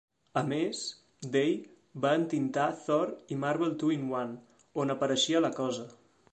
A més, Day va entintar "Thor" i "Marvel Two-in-One", on apareixia la Cosa.